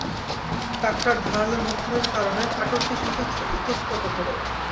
কাঁকড়ার ধারালো নখরের কারণে কাটলফিশ ইতস্তত করে।